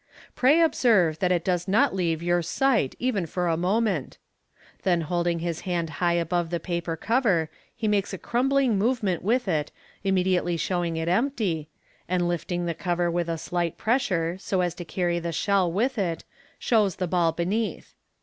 " Pray observe that it does not leave your sight even for a moment." Then holding his hand high above the paper cover, he makes a "crumbling" movement with it, immediately showing it empty, and lifting the cover with a slight pressure, so as to carry the shell with it, shows the ball beneath.